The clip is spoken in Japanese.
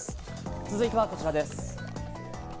続いてはこちらです。